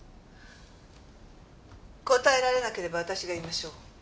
答えられなければ私が言いましょう。